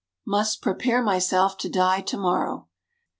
must prepare myself to die to morrow."